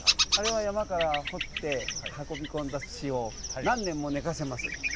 あれは山から掘って運び込んだ土を何年も寝かせます。